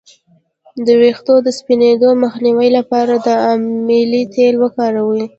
د ویښتو د سپینیدو مخنیوي لپاره د املې تېل وکاروئ